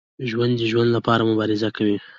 ژوندي د ژوند لپاره مبارزه کوي